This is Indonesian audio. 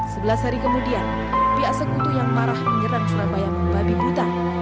sebelas hari kemudian pihak sekutu yang marah menyerang surabaya membabi buta